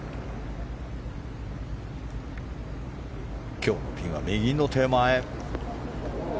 今日もピンは右の手前。